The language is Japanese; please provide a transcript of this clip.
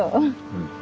うん。